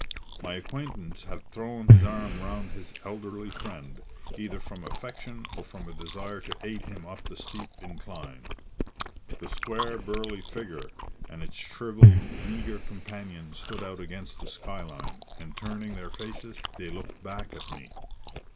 My acquaintance had thrown his arm round his elderly friend, either from affection or from a desire to aid him up the steep incline. The square burly figure and its shrivelled, meagre companion stood out against the sky line, and turning their faces, they looked back at me.